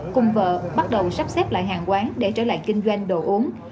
cùng vợ bắt đầu sắp xếp lại hàng quán để trở lại kinh doanh đồ uống